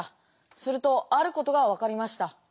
するとあることが分かりました。